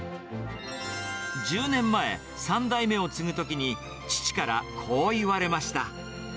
１０年前、３代目を継ぐときに、父からこう言われました。